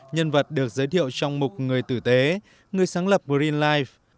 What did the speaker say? nhân vật được giới thiệu trong mục người tử tế người sáng lập green life